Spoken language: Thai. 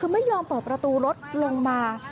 คือไม่ยอมเปิดประตูรถลงมา